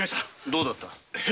どうだった？